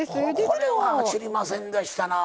これは知りませんでしたな。